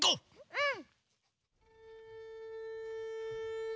うん！